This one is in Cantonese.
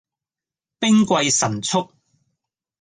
兵貴神速